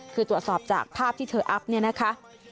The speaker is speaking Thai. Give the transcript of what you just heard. คือตรวจสอบจากภาพที่เธออัพเนี่ยนะคะ